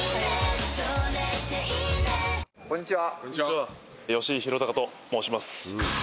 こんにちは。